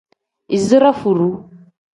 Izire furuu.